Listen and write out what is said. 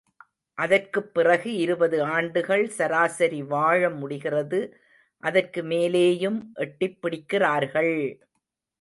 அதற்குப் பிறகு இருபது ஆண்டுகள் சராசரி வாழ முடிகிறது அதற்கு மேலேயும் எட்டிப் பிடிக்கிறார்கள்!.